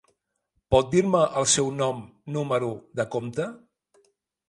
Pot dir-me el seu nom número de compte?